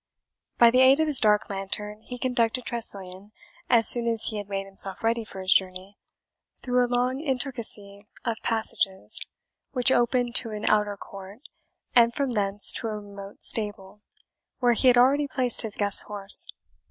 By the aid of his dark lantern he conducted Tressilian, as soon as he had made himself ready for his journey, through a long intricacy of passages, which opened to an outer court, and from thence to a remote stable, where he had already placed his guest's horse.